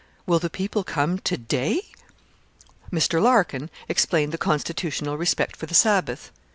Will the people come to day?' Mr. Larkin explained the constitutional respect for the Sabbath.